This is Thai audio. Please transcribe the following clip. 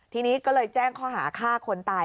ทีนี้ก็เลยแจ้งข้อหาฆ่าคนตาย